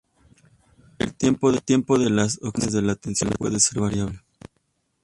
El tiempo de las oscilaciones de la atención puede ser variable.